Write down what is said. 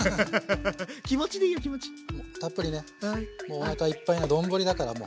おなかいっぱいの丼だからもう。